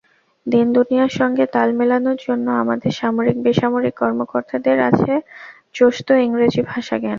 দিন-দুনিয়ার সঙ্গে তাল মেলানোর জন্য আমাদের সামরিক-বেসামরিক কর্মকর্তাদের আছে চোস্ত ইংরেজি ভাষাজ্ঞান।